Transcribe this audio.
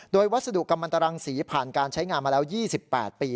โดยวัสดุกำลังตรังสีผ่านการใช้งานมาแล้ว๒๘ปี